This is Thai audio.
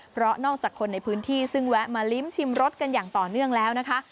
เพราะนอกจากคนในพื้นที่ซึ่งแวะมาลิ้มชิมรสกันอย่างต่อเนื่องแล้วนะคะ